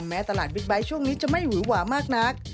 แม้ตลาดบิ๊กไบท์ช่วงนี้จะไม่หือหวามากนัก